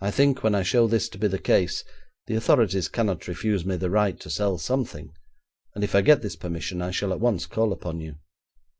I think when I show this to be the case, the authorities cannot refuse me the right to sell something, and, if I get this permission, I shall at once call upon you.'